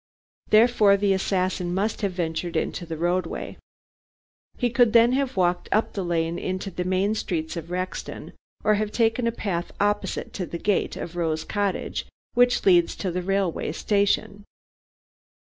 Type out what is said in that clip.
Therefore the assassin must have ventured into the roadway. He could then have walked up the lane into the main streets of Rexton, or have taken a path opposite to the gate of Rose Cottage, which leads to the railway station.